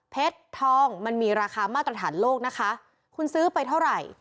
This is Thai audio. ทองมันมีราคามาตรฐานโลกนะคะคุณซื้อไปเท่าไหร่